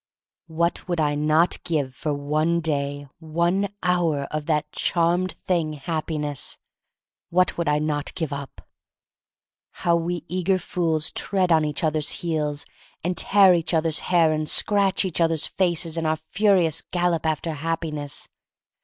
What would I not give for one day, one hour, of that charmed thing Happi ness! What would I not give up? How we eager fools tread on each other's heels, and tear each other's hair, and scratch each other's faces, in our furious gallop after Happiness!